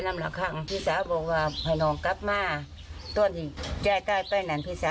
เล่าให้ฟังบอกแม่ของเธอไม่มีโรคประจำตัวอะไรเลยนะคะ